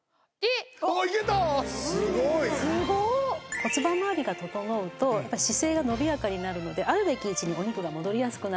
骨盤まわりが整うと姿勢が伸びやかになるのであるべき位置にお肉が戻りやすくなるんですね。